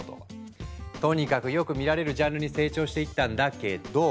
とにかくよく見られるジャンルに成長していったんだけど。